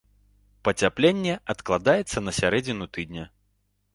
Пацяпленне адкладаецца на сярэдзіну тыдня.